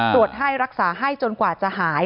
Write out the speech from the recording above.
ตรวจให้รักษาให้จนกว่าจะหาย